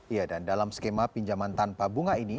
ya dan dalam skema pinjaman tanpa bunga ini